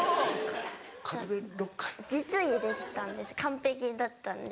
実技できたんです完璧だったんです。